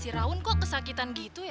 si raun kok kesakitan gitu ya